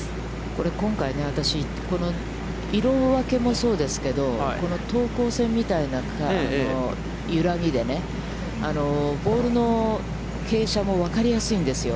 これ今回私、この色分けもそうですけど、等高線みたいな揺らぎでボールの傾斜もわかりやすいんですよ。